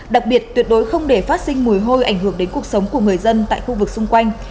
đặc biệt tuyệt đối không để phát sinh mùi hôi ảnh hưởng đến cuộc sống của người dân tại khu vực xung quanh